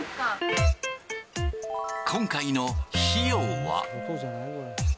今回の費用は？